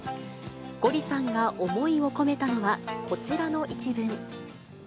ゴリさんが思いを込めたのは、こちらの一文。